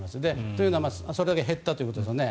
というのは、それだけ減ったということですよね。